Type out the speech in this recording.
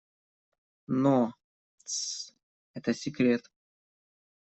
Но... Тссс! - это секрет!